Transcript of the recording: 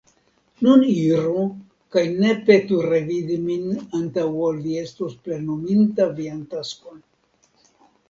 Nun iru, kaj ne petu revidi min antaŭ ol vi estos plenuminta vian taskon.